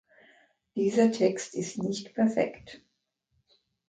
Dieser Text ist nicht perfekt.